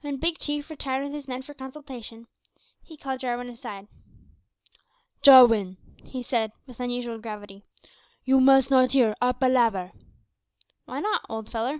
When Big Chief retired with his men for consultation, he called Jarwin aside. "Jarwin," he said, with unusual gravity, "you must not hear our palaver." "Why not, old feller?"